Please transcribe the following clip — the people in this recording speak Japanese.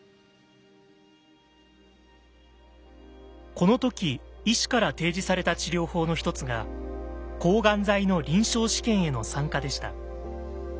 この時医師から提示された治療法の一つが抗がん剤の臨床試験への参加でした。